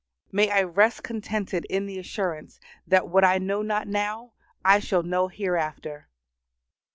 May I rest contented in the assurance that what I know not now I shall know hereafter.